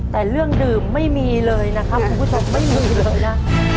แต่เรื่องดื่มไม่มีเลยนะครับคุณผู้ชมไม่มีเลยนะ